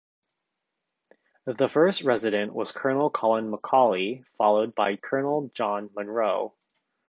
The first Resident was Colonel Colin Macaulay, followed by Colonel John Munro.